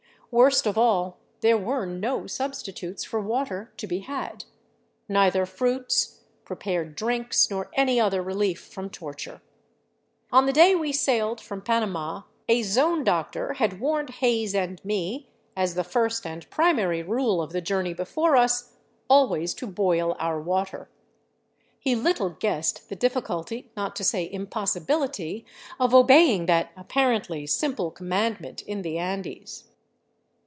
Worst of all, there were no substitutes for water to be had, neither fruits, prepared drinks, nor any other relief from torture. On the day we sailed from Panama a Zone doctor had warned Hays and me, as the first and primary rule of the journey before us, always to boil our water. He little guessed the difficulty, not to say impossibility, of obeying that apparently simple commandment in the Andes.